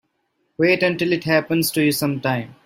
Wait until it happens to you sometime.